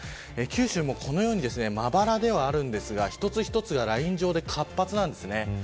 九州もこのようにまばらではありますが一つ一つがライン状で活発なんです。